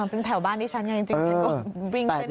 เป็นแถวบ้านดิฉันไงจริงวิ่งเส้นมีนบุรี